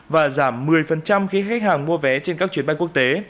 và giảm một mươi khi khách hàng mua vé trên các chuyến bay quốc tế